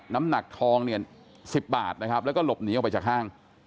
น้ำหนักทองเนี่ย๑๐บาทนะครับแล้วก็หลบหนีออกไปจากห้าง